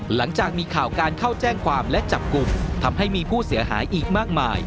หลังจากมีข่าวการเข้าแจ้งความและจับกลุ่มทำให้มีผู้เสียหายอีกมากมาย